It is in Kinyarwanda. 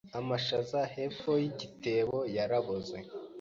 Amashaza hepfo yigitebo yaraboze.